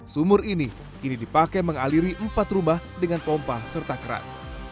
sumur ini kini dipakai mengaliri empat rubah dengan pompa serta kerat